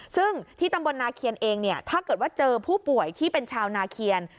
ซึ่งที่ตำบลนาเคียนเองเนี่ยถ้าเกิดว่าเจอผู้ป่วยที่เป็นชาวนาเคียน